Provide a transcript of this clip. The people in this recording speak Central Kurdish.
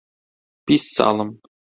بیست ساڵم.